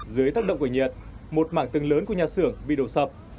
dưới tác động của nhiệt một mảng tường lớn của nhà sưởng bị đổ sập